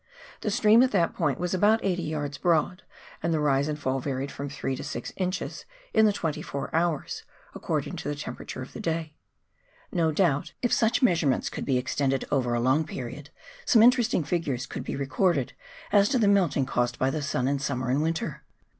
The stream at that point was about 80 yards broad and the rise and fall varied from 3 to 6 inches in the twenty four hours, according to the temperature of the day. No doubt, if such measurements could be extended over a long period, some interesting figures could be recorded as to the melting caused by the sun in summer and winter.